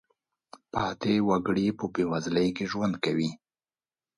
پاتې وګړي په بېوزلۍ کې ژوند کوي.